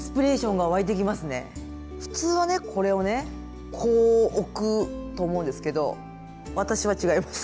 普通はねこれをねこう置くと思うんですけど私は違います。